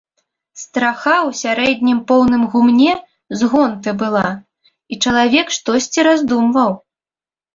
Страха ў сярэднім поўным гумне з гонты была, і чалавек штосьці раздумваў.